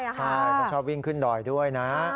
ใช่ก็ชอบวิ่งขึ้นดอยด้วยนะ